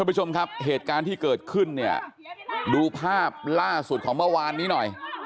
ผู้ชมครับเหตุการณ์ที่เกิดขึ้นเนี่ยดูภาพล่าสุดของเมื่อวานนี้หน่อย